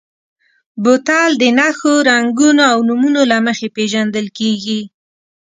بوتل د نښو، رنګونو او نومونو له مخې پېژندل کېږي.